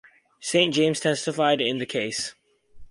Saint James testified in the case.